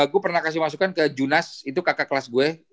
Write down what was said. gue pernah kasih masukan ke junas itu kakak kelas gue